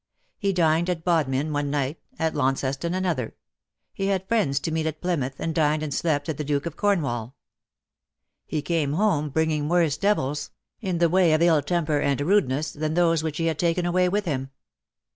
He dined at Bodmin one night — at Launceston, another. He had friends to meet at Plymouth, and dined and slept at the " Duke of Cornwall.^^ He came home bringing worse devils 88 ^' BUT HERE IS ONE WHO — in the way of ill temper and rudeness — than those which he had taken away with him.